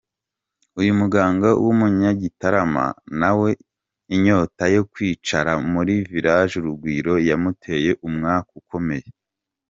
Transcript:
Uyu muganga w’umunyagitarama nawe inyota yo kwicara muri Village Urugwiro yamuteye umwaku ukomeye.